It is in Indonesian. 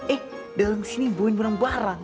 eh dalam sini bohin barang barang